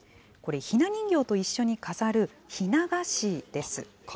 これ、ひな人形と一緒に飾るひな菓子です。